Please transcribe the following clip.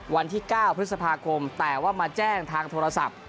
วันที่๙พฤษภาคมแต่ว่ามาแจ้งทางโทรศัพท์